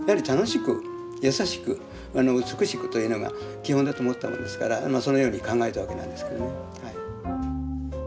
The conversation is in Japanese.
というのが基本だと思ったもんですからそのように考えたわけなんですけどね。